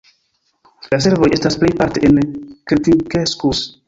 La servoj estas plejparte en Keltinkeskus.